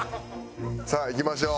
さあいきましょう。